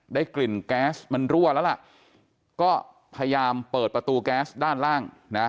ได้กลิ่นแก๊สมันรั่วแล้วล่ะก็พยายามเปิดประตูแก๊สด้านล่างนะ